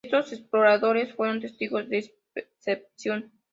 Y estos exploradores fueron testigos de excepción.